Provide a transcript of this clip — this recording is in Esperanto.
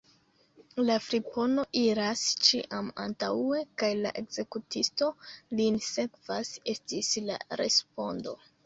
La fripono iras ĉiam antaŭe, kaj la ekzekutisto lin sekvas, estis la respondo.